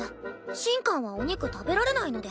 神官はお肉食べられないので。